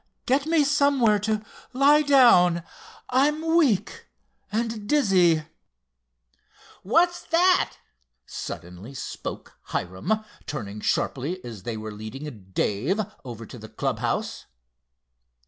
"Get me somewhere to lie down. I'm weak and dizzy." "What's that!" suddenly spoke Hiram, turning sharply as they were leading Dave over to the club house.